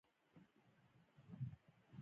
غاښونه کله برس کړو؟